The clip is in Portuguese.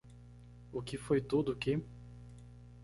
O que foi tudo que?